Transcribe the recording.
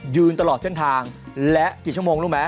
ตลอดเส้นทางและกี่ชั่วโมงรู้ไหม